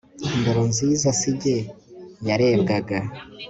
indoro nziza si jye yarebwaga